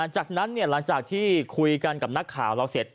จากนั้นหลังจากที่คุยกันกับนักข่าวเราเสร็จ